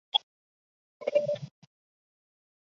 此半壳型结构可有效的将气动力分布到机体各处。